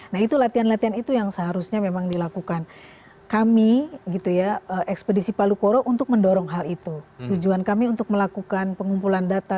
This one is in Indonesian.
nah itu latihan latihan itu yang seharusnya memang dilakukan kami gitu ya ekspedisi palu koro untuk mendorong hal itu tujuan kami untuk melakukan pengumpulan data